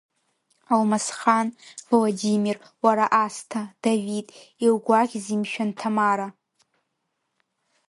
Алмасхан, Владимир, уара Асҭа, Давид, илгәаӷьзеи шәан Ҭамара?!